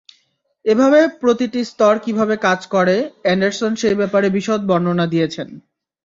এভাবে প্রতিটি স্তর কীভাবে কাজ করে, এন্ডারসন সেই ব্যাপারে বিশদ বর্ণনা দিয়েছেন।